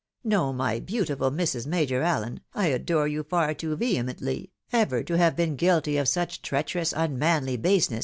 No, my beautiful Mrs. Major AUen, I adore you far too vehemently, ever to have been guilty of such treacherous, unmanly baseness, 16 THE WIDOW MARBIED.